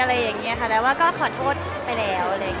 แล้วก็ขอโทษไปแล้ว